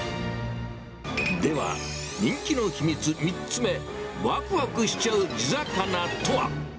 では、人気の秘密３つ目、わくわくしちゃう地魚とは。